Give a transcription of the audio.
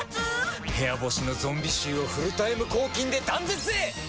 部屋干しのゾンビ臭をフルタイム抗菌で断絶へ！